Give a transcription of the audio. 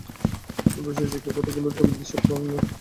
সকল বিষয় শিক্ষারই কতকগুলি নির্দিষ্ট প্রণালী আছে।